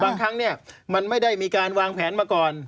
บางครั้งมันไม่ได้มีการวางแผนมาก่อน